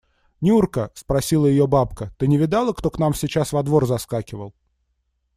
– Нюрка, – спросила ее бабка, – ты не видала, кто к нам сейчас во двор заскакивал?